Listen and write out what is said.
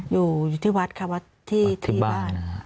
อยู่ที่วัดค่ะวัดที่บ้าน